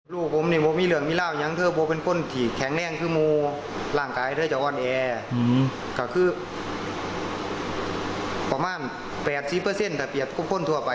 ลูกผมไม่มีเหลืองมีราวยังเป็นคนที่แข็งแรงคือมูล่างกายจะอ่อนแอประมาณ๘๐เปอร์เซ็นต์ถ้าเปลี่ยนทุกคนทั่วไป